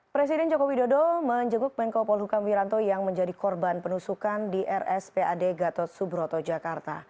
presiden jokowi dodo menjenguk menko polhukam wiranto yang menjadi korban penusukan di rs pad gatot subroto jakarta